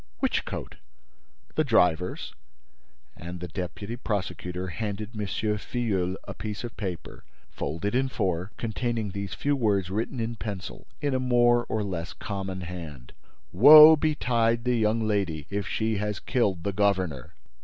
"Which coat?" "The driver's." And the deputy prosecutor handed M. Filleul a piece of paper, folded in four, containing these few words written in pencil, in a more or less common hand: "Woe betide the young lady, if she has killed the governor!"